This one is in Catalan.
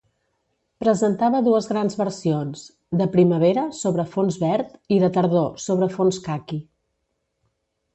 Presentava dues grans versions: de primavera, sobre fons verd; i de tardor, sobre fons caqui.